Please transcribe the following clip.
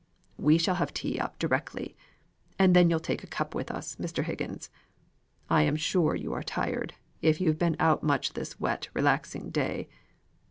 "We shall have tea up directly, and then you'll take a cup with us, Mr. Higgins. I am sure you are tired, if you've been out much this wet relaxing day.